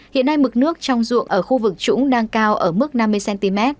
hiện nay mực nước trong ruộng ở khu vực trũng đang cao ở mức năm mươi cm